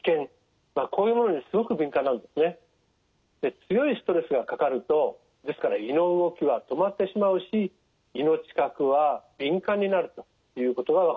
強いストレスがかかるとですから胃の動きは止まってしまうし胃の知覚は敏感になるということが分かっています。